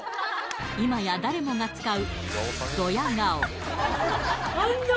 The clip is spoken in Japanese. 今や誰もが使うあんな。